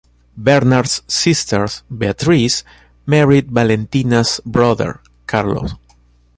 Bernard's sister Beatrice married Valentina's brother Carlo.